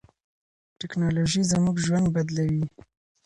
ټیکنالوژي زموږ ژوند بدلوي.